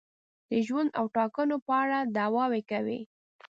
د ژوند او ټاکنو په اړه دعوې کوي.